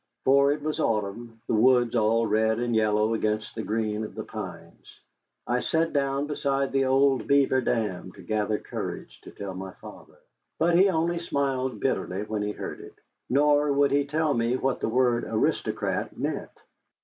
For it was autumn, the woods all red and yellow against the green of the pines. I sat down beside the old beaver dam to gather courage to tell my father. But he only smiled bitterly when he heard it. Nor would he tell me what the word aristocrat meant.